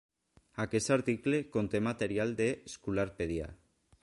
Aquest article conté material de Scholarpedia.